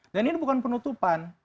dan ini bukan penutupan